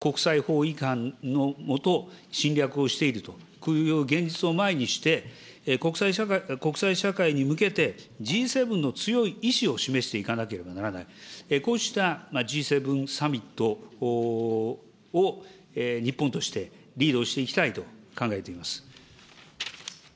国連の安保理常任理事国である国が国際法の下、侵略をしているという、こういう現実を前にして、国際社会に向けて、Ｇ７の強い意思を示していかなければならない、こうしたＧ７サミットを、日本としてリードしていきたいと考えています。